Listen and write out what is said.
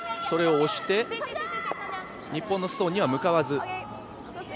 それを押して、日本のストーンには向かわず。